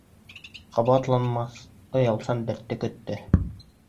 Ҡабатланмаҫ оялсан дәртте көттө.